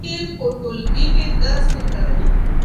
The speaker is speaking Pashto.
زده کوونکي په ټولګي کې درس تکراروي.